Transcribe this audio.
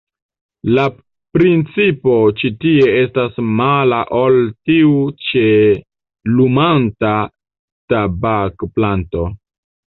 La principo ĉi tie estas mala ol tiu ĉe la lumanta tabakplanto.